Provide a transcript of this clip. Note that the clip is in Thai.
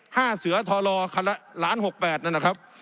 ห้าเสือทรลอคันละ๑๖๐๐๐๐๐นั่นนะครับ